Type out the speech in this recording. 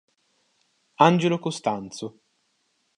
Angelo Costanzo